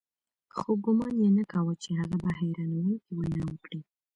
خو ګومان یې نه کاوه چې هغه به حیرانوونکې وینا وکړي